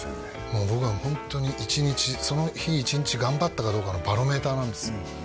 もう僕はホントに１日その日１日頑張ったかどうかのバロメーターなんですよ